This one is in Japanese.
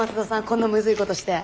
こんなむずいことして。